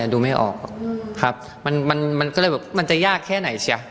ดูไม่ออกครับมันมันก็เลยแบบมันจะยากแค่ไหนเชีย